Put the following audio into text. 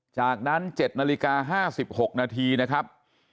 จากนั้น๗นาฬิกา๕๖นาทีนะครับ